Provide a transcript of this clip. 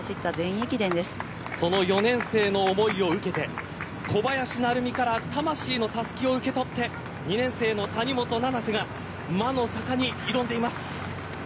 その４年生の思いを受けて小林成美から魂のたすきを受け取って２年生の谷本七星が魔の坂に挑んでいます。